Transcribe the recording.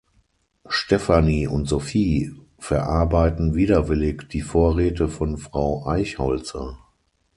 Stefanie und Sophie verarbeiten widerwillig die Vorräte von Frau Eichholzer.